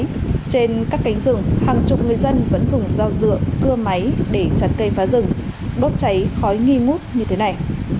trên các cánh rừng hàng chục người dân vẫn dùng dao dựa cưa máy để chặt cây phá rừng đốt cháy khói nghi ngút như thế này